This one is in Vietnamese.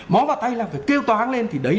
mó vào tay là phải kêu toán lên thì đấy